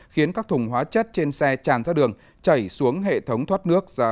khiến các thùng hóa chất trên xe tràn ra đường chảy xuống hệ thống thoát nước